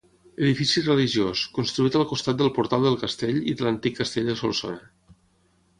Edifici religiós, construït al costat del Portal del Castell i de l'antic castell de Solsona.